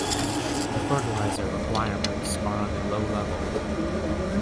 The fertilizer requirements are on a low level.